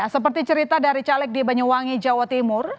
seperti cerita dari caleg di banyuwangi jawa timur